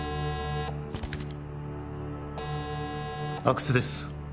阿久津です